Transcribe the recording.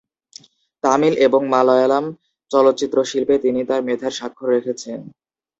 তামিল এবং মালয়ালম চলচ্চিত্র শিল্পে তিনি তার মেধার স্বাক্ষর রেখেছেন।